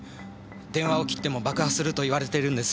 「電話を切っても爆破する」と言われてるんです。